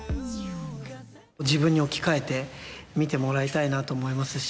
自分に置き換えて見てもらいたいなと思いますし。